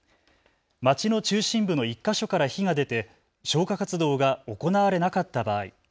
町の中心部の１か所から火が出て消火活動が行われなかった場合。